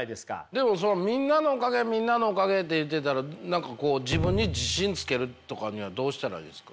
でもみんなのおかげみんなのおかげって言ってたら何かこう自分に自信つけるとかにはどうしたらいいんですか？